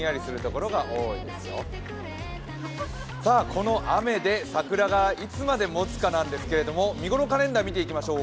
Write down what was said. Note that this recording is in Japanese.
この雨で桜がいつまでもつかなんですけど見頃カレンダー見ていきましょう。